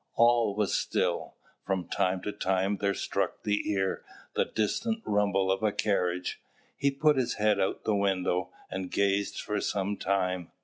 All was still: from time to time there struck the ear the distant rumble of a carriage. He put his head out of the window, and gazed for some time.